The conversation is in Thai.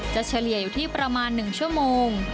เฉลี่ยอยู่ที่ประมาณ๑ชั่วโมง